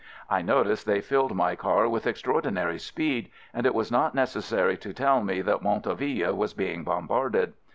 I noticed they filled my car with extraordinary speed, and it was not necessary to tell me that Montauville was being bombarded.